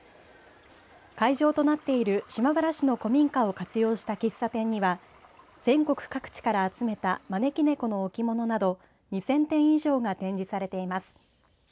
会場となっている島原市の古民家を活用した喫茶店には全国各地から集めた招き猫の置物など２０００点以上が展示されています。